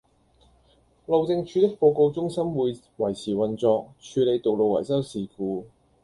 路政署的報告中心會維持運作，處理道路維修事故